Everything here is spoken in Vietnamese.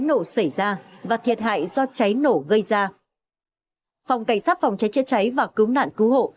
nổ xảy ra và thiệt hại do cháy nổ gây ra phòng cảnh sát phòng cháy chữa cháy và cứu nạn cứu hộ